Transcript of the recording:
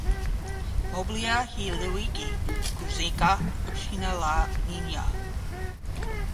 Mbolea hii iwekwe kuzunguka shina la nyanya